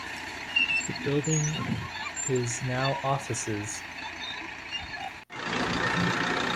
The building is now offices.